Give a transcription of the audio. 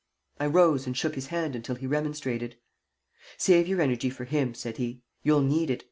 I rose and shook his hand until he remonstrated. "Save your energy for him," said he. "You'll need it.